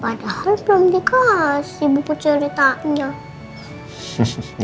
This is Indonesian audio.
padahal belum dikasih buku ceritanya